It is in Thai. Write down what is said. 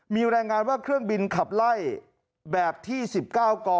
มีรายงานว่าเครื่องบินขับไล่แบบที่๑๙ก